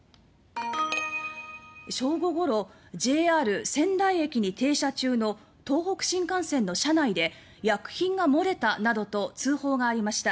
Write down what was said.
正午ごろ、ＪＲ仙台駅に停車中の東北新幹線の車内で薬品が漏れたなどと通報がありました。